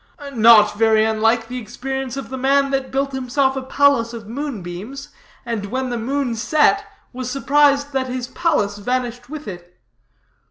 "Not very unlike the experience of the man that built himself a palace of moon beams, and when the moon set was surprised that his palace vanished with it.